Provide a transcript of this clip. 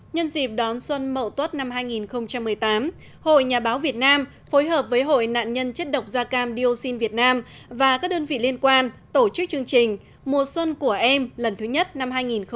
nhân dịp đón xuân mậu tuất năm hai nghìn một mươi tám hội nhà báo việt nam phối hợp với hội nạn nhân chất độc da cam dioxin việt nam và các đơn vị liên quan tổ chức chương trình mùa xuân của em lần thứ nhất năm hai nghìn một mươi chín